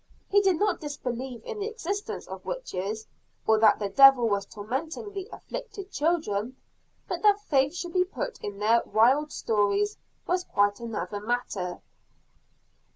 He did not disbelieve in the existence of witches or that the devil was tormenting the "afflicted children" but that faith should be put in their wild stories was quite another matter.